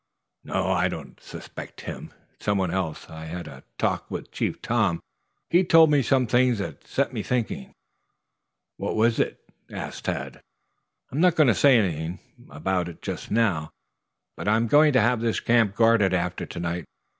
"No, I don't suspect him. It's someone else. I had a talk with Chief Tom. He told me some things that set me thinking." "What was it?" asked Tad. "I'm not going to say anything about it just now, but I am going to have this camp guarded after to night.